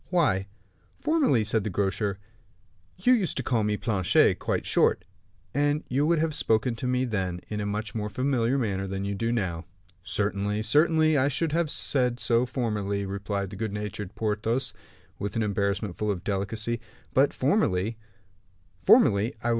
"Why, formerly," said the grocer, "you used to call me Planchet quite short, and you would have spoken to me then in a much more familiar manner than you do now." "Certainly, certainly, I should have said so formerly," replied the good natured Porthos, with an embarrassment full of delicacy; "but formerly " "Formerly I was M.